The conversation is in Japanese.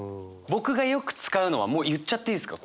僕がよく使うのはもう言っちゃっていいですか？